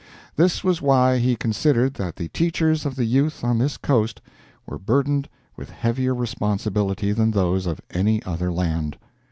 This was why he considered that the teachers of the youth on this coast were burthened with heavier responsibilities than those of any other land.